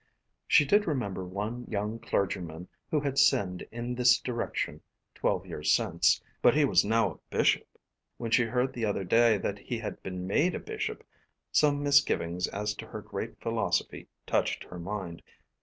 She did remember one young clergyman who had sinned in this direction, twelve years since, but he was now a Bishop. When she heard the other day that he had been made a Bishop some misgivings as to her great philosophy touched her mind.